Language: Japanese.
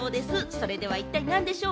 それでは一体なんでしょう？